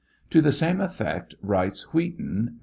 To the same effect writes Wheaton (p.